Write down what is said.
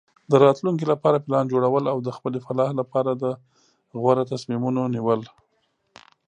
د راتلونکي لپاره پلان جوړول او د خپلې فلاح لپاره د غوره تصمیمونو نیول.